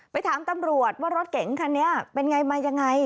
ไปถามตำรวจว่ารถเก๋งคันนี้เป็นอย่างไร